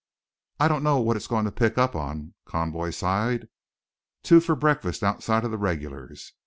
"I don't know what it's goin' to pick up on," Conboy sighed. "Two for breakfast outside of the regulars.